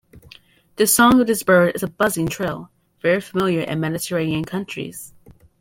The song of this bird is a buzzing trill, very familiar in Mediterranean countries.